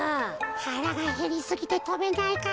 はらがへりすぎてとべないか。